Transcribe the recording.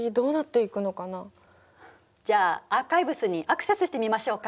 じゃあアーカイブスにアクセスしてみましょうか。